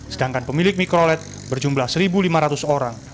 sedangkan pemilik mikrolet berjumlah satu lima ratus orang